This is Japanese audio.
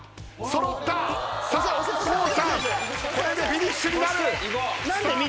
これでフィニッシュになる。